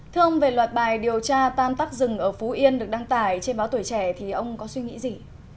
thưa ông về loạt bài điều tra tan tắc rừng ở phú yên được đăng tải trên báo tuổi trẻ thì ông có suy nghĩ gì